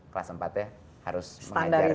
kelas empat nya harus mengajar di situ